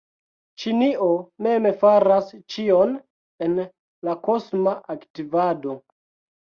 Ĉinio mem faras ĉion en la kosma aktivado.